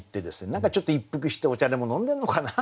何かちょっと一服してお茶でも飲んでるのかな？